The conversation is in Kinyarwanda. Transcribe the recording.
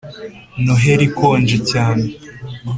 noheri ikonje cyane